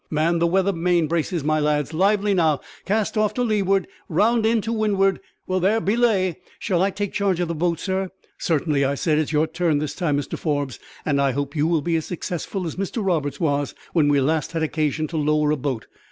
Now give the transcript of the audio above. "Man the weather main braces, my lads; lively, now. Cast off to leeward; round in to windward. Well there; belay. Shall I take charge of the boat, sir?" "Certainly," I said; "it is your turn this time, Mr Forbes, and I hope you will be as successful as Mr Roberts was when we last had occasion to lower a boat.